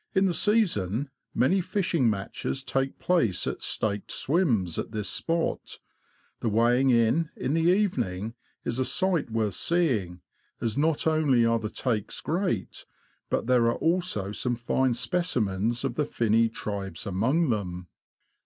'' In the season, many fishing matches take place at staked swims at this spot. The weighing in, in the evening, is a sight worth seeing, as not only are the takes great, but there are also some fine specimens of the finny tribes among them.